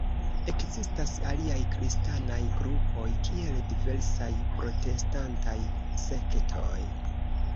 Ekzistas aliaj kristanaj grupoj kiel diversaj protestantaj sektoj.